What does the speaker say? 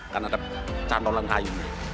karena ada catolong kayu